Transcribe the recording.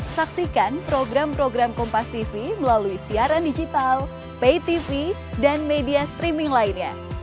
saksikan program program kompastv melalui siaran digital paytv dan media streaming lainnya